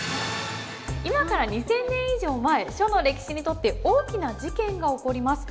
今から２，０００年以上前書の歴史にとって大きな事件が起こります。